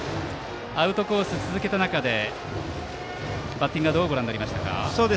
アウトコース続けた中でバッティングはどうご覧になりましたか。